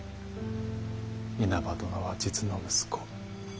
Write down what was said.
稲葉殿は実の息子。